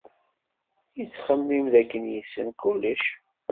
Yettxemmim dakken yessen kullec.